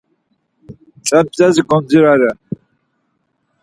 Tzemtzes goncirare.